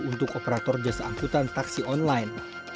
untuk operator jasa angkutan taksi online